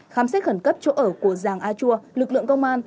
khám xét khẩn cấp chỗ ở của giàng a chua lực lượng công an